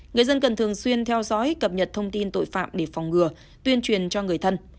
người dân cần thường xuyên theo dõi cập nhật thông tin tội phạm để phòng ngừa tuyên truyền cho người thân